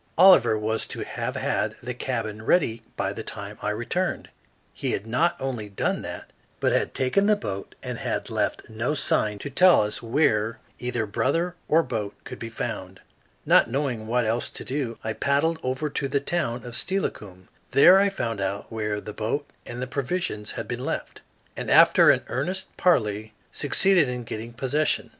Oliver was to have had the cabin ready by the time I returned. He not only had not done that, but had taken the boat and had left no sign to tell us where either brother or boat could be found. Not knowing what else to do, I paddled over to the town of Steilacoom. There I found out where the boat and the provisions had been left, and after an earnest parley succeeded in getting possession.